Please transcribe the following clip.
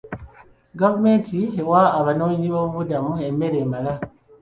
Gavumenti ewa abanoonyi b'obubudamu emmere emala.